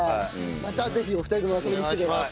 またぜひお二人とも遊びに来てください。